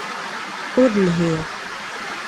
Ur lhiɣ.